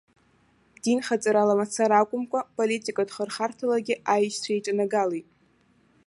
Динхаҵарала мацара акәымкәа, политикатә хырхарҭалагьы аишьцәа еиҿанагалеит.